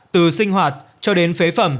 từ sinh hoạt cho đến phế phẩm